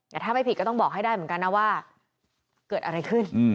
แต่ถ้าไม่ผิดก็ต้องบอกให้ได้เหมือนกันนะว่าเกิดอะไรขึ้น